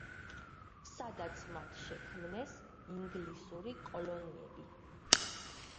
სადაც მათ შექმნეს ინგლისური კოლონიები.